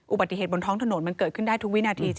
อุบัติเหตุบนท้องถนนมันเกิดขึ้นได้ทุกวินาทีจริง